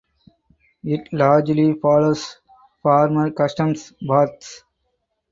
It largely follows former customs paths.